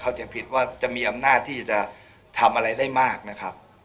จะผิดว่าจะมีอำนาจที่จะทำอะไรได้มากนะครับ